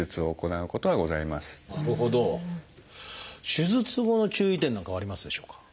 手術後の注意点なんかはありますでしょうか？